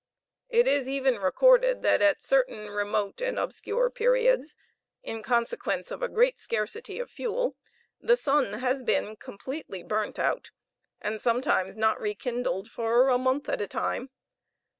It is even recorded that at certain remote and obscure periods, in consequence of a great scarcity of fuel, the sun has been completely burnt out, and sometimes not rekindled for a month at a time.